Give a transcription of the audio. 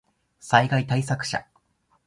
災害対策車